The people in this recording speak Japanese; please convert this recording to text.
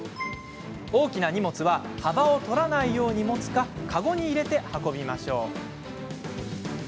大きな荷物は幅を取らないように持つか籠に入れて運びましょう。